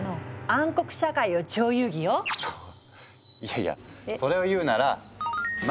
そいやいやそれを言うならそっか！